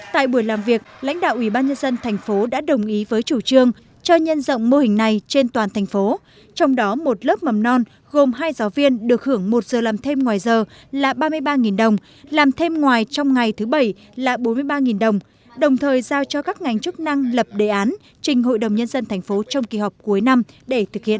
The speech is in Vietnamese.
tại buổi làm việc lãnh đạo ủy ban nhân dân thành phố đã đồng ý với chủ trương cho nhân dọng mô hình này trên toàn thành phố trong đó một lớp mầm non gồm hai giáo viên được hưởng một giờ làm thêm ngoài giờ là ba mươi ba đồng làm thêm ngoài trong ngày thứ bảy là bốn mươi ba đồng đồng thời giao cho các ngành chức năng lập đề án trình hội đồng nhân dân thành phố trong kỳ họp cuối năm để thực hiện